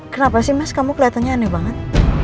kenapa sih mas kamu kelihatannya aneh banget